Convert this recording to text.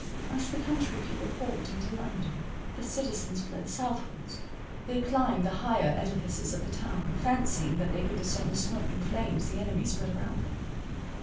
As the country people poured into London, the citizens fled southwards—they climbed the higher edifices of the town, fancying that they could discern the smoke and flames the enemy spread around them.